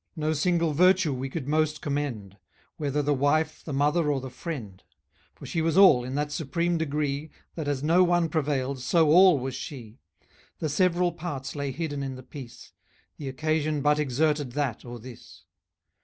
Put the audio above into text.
No single virtue we could most commend, Whether the wife, the mother, or the friend; For she was all, in that supreme degree, That as no one prevailed, so all was she. The several parts lay hidden in the piece; The occasion but exerted that, or this.